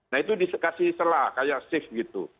nah itu dikasih selah kayak shift gitu